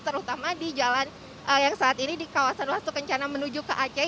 terutama di jalan yang saat ini di kawasan wastu kencana menuju ke aceh